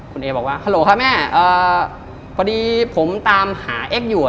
คุณเอบอกว่าฮัลโหลค่ะแม่พอดีผมตามหาเอ็กซอยู่